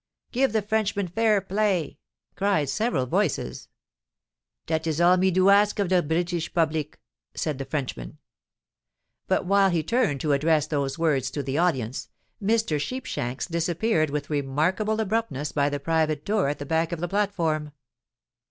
"Give the Frenchman fair play!" cried several voices. "Dat is all me do ask of de British public," said the Frenchman. But while he turned to address those words to the audience, Mr. Sheepshanks disappeared with remarkable abruptness by the private door at the back of the platform.